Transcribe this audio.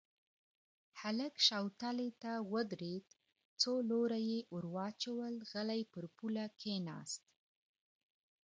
هلک شوتلې ته ودرېد، څو لوره يې ور واچول، غلی پر پوله کېناست.